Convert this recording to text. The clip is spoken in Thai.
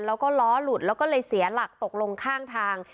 แล้วก็ล้อหลุดแล้วก็เลยเสียหลักตกลงข้างทาง